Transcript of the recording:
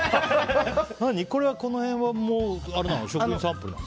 この辺は食品サンプルなの？